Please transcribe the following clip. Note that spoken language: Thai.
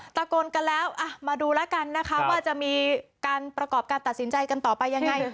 อ๋อแตะกรณ์กันแล้วมาดูกันนะคะว่าจะมีการประกอบทัดสินใจกันต่อไปยังไง